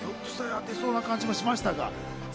やってそうな感じもしましたが。